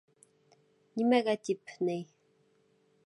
— Нимәгә тип ней...